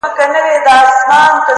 ولي مي هره شېبه؛ هر ساعت پر اور کړوې؛